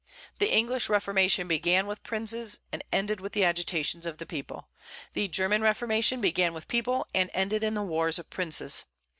The English reformation began with princes, and ended with the agitations of the people. The German reformation began with the people, and ended in the wars of princes.